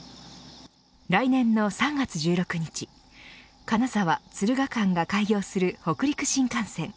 来年の３月１６日金沢、敦賀間が開業する北陸新幹線。